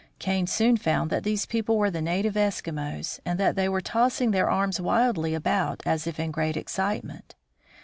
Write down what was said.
Kane soon found that these people were the native Eskimos, and that they were tossing their arms wildly about, as if in great excitement.